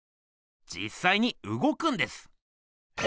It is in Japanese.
じっさいにうごくんです。え？